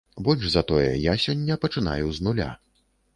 Больш за тое, я сёння пачынаю з нуля.